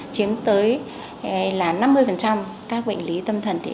chiếm tới năm mươi các bệnh lý tâm thần